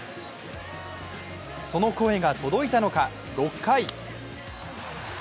その声が届いたのか６回。